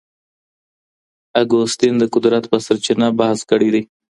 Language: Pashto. اګوستين د قدرت په سرچينه بحث کړی دی.